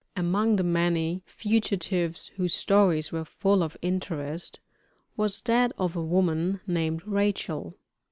Among the many fugitives whose stories were full of interest, was that of a woman named Rachel.